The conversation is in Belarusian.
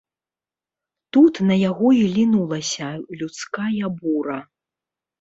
Тут на яго і лінулася людская бура.